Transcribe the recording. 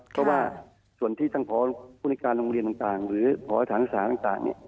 เพราะว่าส่วนที่ทั้งพคุณการโรงเรียนต่างหรือพอาหารธรรมศาสตร์ต่าง